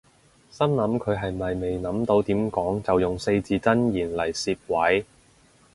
心諗佢係咪未諗到點講就用四字真言嚟攝位